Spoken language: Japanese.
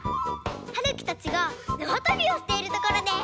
はるきたちがなわとびをしているところです。